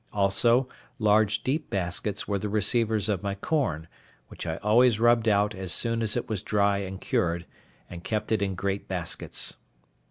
Also, large deep baskets were the receivers of my corn, which I always rubbed out as soon as it was dry and cured, and kept it in great baskets.